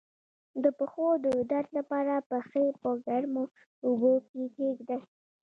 د پښو د درد لپاره پښې په ګرمو اوبو کې کیږدئ